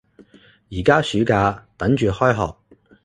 而家暑假，等住開學